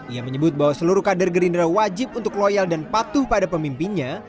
ia menyebut bahwa seluruh kader gerindra wajib untuk loyal dan patuh pada pemimpinnya